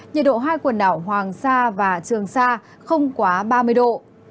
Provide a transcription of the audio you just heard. nhiệt độ hai quần đảo hoàng sa và trường sa không quá ba mươi độ